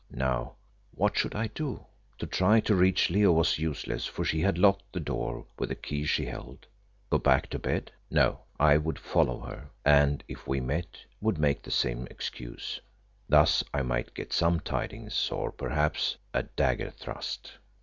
Now, what should I do? To try to reach Leo was useless, for she had locked the door with the key she held. Go back to bed? No, I would follow her, and if we met would make the same excuse. Thus I might get some tidings, or perhaps a dagger thrust.